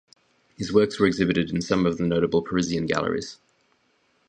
His works were exhibited in some of the notable Parisian galleries.